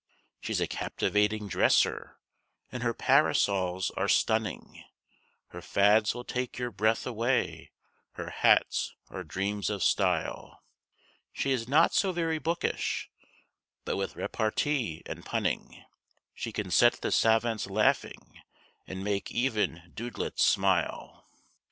She's a captivating dresser, and her parasols are stunning; Her fads will take your breath away, her hats are dreams of style; She is not so very bookish, but with repartee and punning She can set the savants laughing and make even dudelets smile.